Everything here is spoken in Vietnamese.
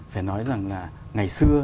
phải nói rằng là ngày xưa